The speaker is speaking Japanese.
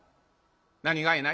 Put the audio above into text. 「何がいな？」。